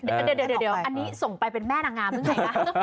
เดี๋ยวอันนี้ส่งไปเป็นแม่นางงามหรือไงคะ